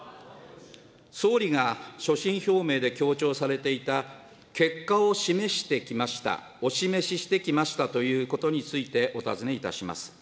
総理が所信表明で強調されていた結果を示してきました、お示ししてきましたということについてお尋ねいたします。